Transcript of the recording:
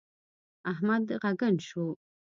احمد ږغن شو.